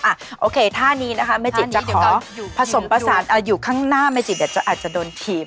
อ่ะโอเคท่านี้นะคะเมจิจะขอผสมประสานอยู่ข้างหน้าเมจิเดี๋ยวอาจจะโดนทีม